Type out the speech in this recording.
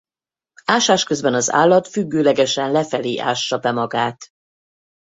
Ásás közben az állat függőlegesen lefelé ássa be magát.